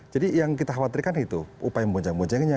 jadi yang kita khawatirkan itu upaya membonjeng bonjenginya